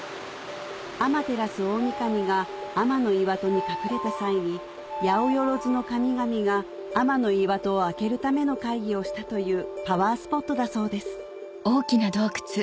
天照大神が天岩戸に隠れた際に八百万の神々が天岩戸を開けるための会議をしたというパワースポットだそうです